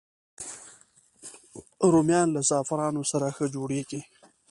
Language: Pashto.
رومیان له زعفرانو سره ښه جوړېږي